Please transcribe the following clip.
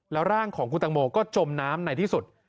แล้วร่างของคุณตังโมก็จมน้ำในที่สุด